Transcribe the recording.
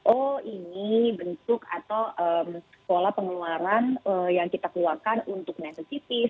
oh ini bentuk atau pola pengeluaran yang kita keluarkan untuk net positif